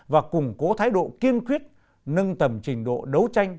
và củng cố thái độ kiên quyết nâng tầm trình độ đấu tranh